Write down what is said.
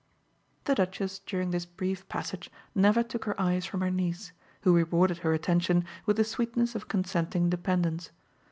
The Duchess during this brief passage never took her eyes from her niece, who rewarded her attention with the sweetness of consenting dependence.